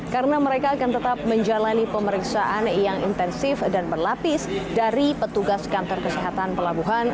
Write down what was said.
karena mereka akan tetap menjalani pemeriksaan yang intensif dan berlapis dari petugas kantor kesehatan pelabuhan